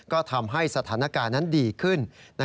ก็ทำให้สถานการณ์นั้นดีขึ้น